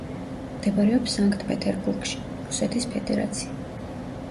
მდებარეობს სანქტ-პეტერბურგში, რუსეთის ფედერაცია.